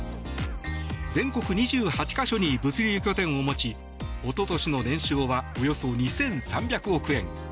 全国２８か所に物流拠点を持ち一昨年の年商はおよそ２３００億円。